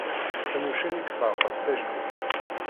Am uccen i yefeṛqen tajlibt.